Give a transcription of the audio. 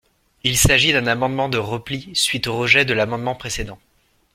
Il s’agit d’un amendement de repli suite au rejet de l’amendement précédent.